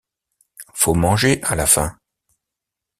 Faut manger à la fin.